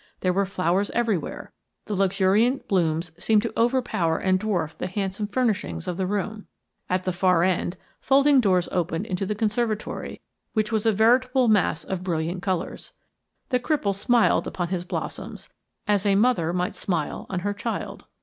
There were flowers everywhere. The luxuriant blooms seemed to overpower and dwarf the handsome furnishings of the room. At the far end, folding doors opened into the conservatory, which was a veritable mass of brilliant colors. The cripple smiled upon his blossoms, as a mother might smile on her child.